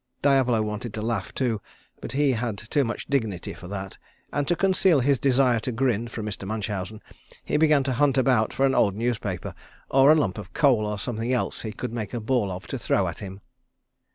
Diavolo wanted to laugh too, but he had too much dignity for that, and to conceal his desire to grin from Mr. Munchausen he began to hunt about for an old newspaper, or a lump of coal or something else he could make a ball of to throw at him.